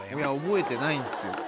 覚えてないんですよ。